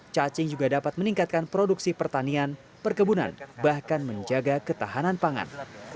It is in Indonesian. cacing juga dapat meningkatkan produksi pertanian perkebunan bahkan menjaga ketahanan pangan